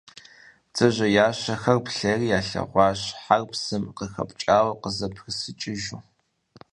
Бдзэжьеящэхэр плъэри ялъэгъуащ хьэр псым къыхэпкӀауэ къызэпрысыкӀыжу.